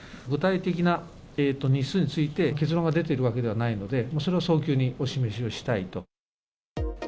具体的な日数について、結論が出ているわけではないので、それを早急にお示しをしたいと。